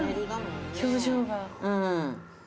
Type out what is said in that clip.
表情が。